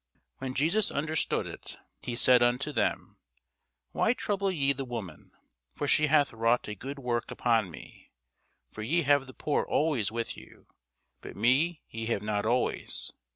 When Jesus understood it, he said unto them, Why trouble ye the woman? for she hath wrought a good work upon me. For ye have the poor always with you; but me ye have not always.